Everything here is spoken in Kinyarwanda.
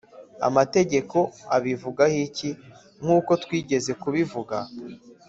Amategeko abivugaho iki Nk uko twigeze kubivuga